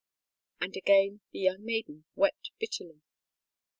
And again the young maiden wept bitterly.